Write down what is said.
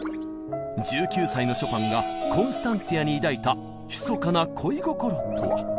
１９歳のショパンがコンスタンツィアに抱いたひそかな恋心とは？